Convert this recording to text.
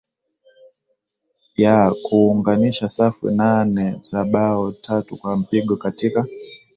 Ya kuunganisha safu nane za bao tatu kwa mpigo katika